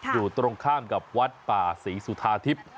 อยู่ตรงข้ามกับวัดป่าศรีสุธาทิพย์